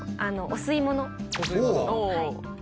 お吸い物。